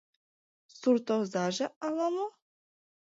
Суртозаже ала-мо?